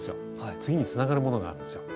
次につながるものがあるんですよ。